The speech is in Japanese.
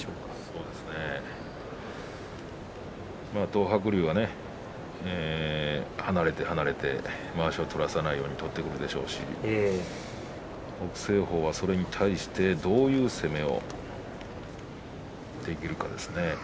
東白龍は離れて離れてまわしを取らせないように取っていくんでしょうし北青鵬は、それに対してどういう攻めをできるかですね。